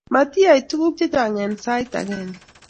Matiyay tukuk chechang eng sait agenge